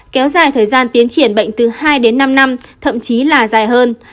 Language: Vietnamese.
kéo dài thời gian tiến triển bệnh từ hai đến năm năm thậm chí là dài hơn